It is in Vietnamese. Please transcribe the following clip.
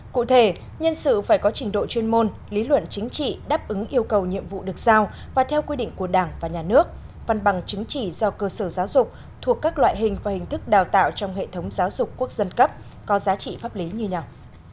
cụ thể nhân sự phải có trình độ chuyên môn lý luận chính trị đáp ứng yêu cầu nhiệm vụ được giao và theo quy định của đảng và nhà nước văn bằng chứng chỉ do cơ sở giáo dục thuộc các loại hình và hình thức đào tạo trong hệ thống giáo dục quốc dân cấp có giá trị pháp lý như nào